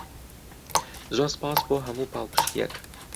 زۆر سوپاس بۆ هەموو پاڵپشتییەک.